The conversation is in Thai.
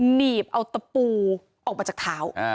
หนีบเอาตะปูออกมาจากเท้า